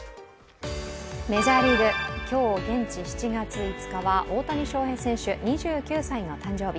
メジャーリーグ、今日現地７月５日は大谷翔平選手、２９歳の誕生日。